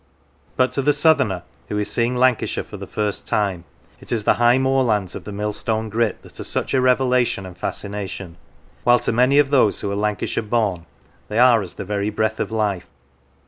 But to the southerner, who is seeing Lancashire for the first time, it is the high moorlands of the Millstone grit that are such a revelation and fascination; while to many of those who are Lancashire born they are as the very breath of life.